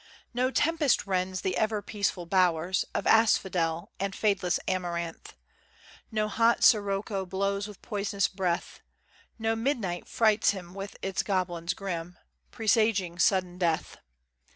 No "Tempest" rends the ever peaceful bowers Of asphodel, and fadeless amaranth; No hot sirocco blows with poisonous breath; No midnight frights him with its goblins grim, Presaging sudden death.